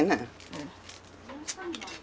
うん。